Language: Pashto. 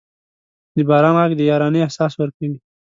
د باران ږغ د یارانې احساس ورکوي.